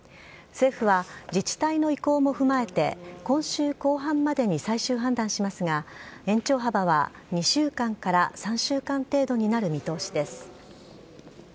政府は自治体の意向も踏まえて、今週後半までに最終判断しますが、延長幅は２週間から３週間程度になる見通しです。